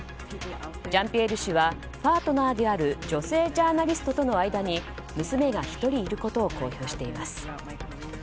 ジャンピエール氏はパートナーである女性ジャーナリストとの間に娘が１人いることを公表しています。